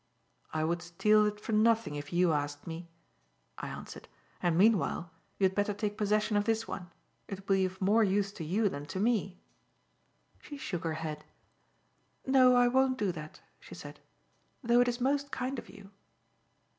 "I would steal it for nothing if you asked me," I answered, "and meanwhile, you had better take possession of this one. It will be of more use to you than to me." She shook her head: "No, I won't do that," she said, "though it is most kind of you.